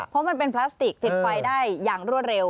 เพราะมันเป็นพลาสติกติดไฟได้อย่างรวดเร็ว